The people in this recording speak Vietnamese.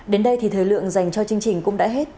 đến đây thì thời lượng dành cho chương trình cũng đã hết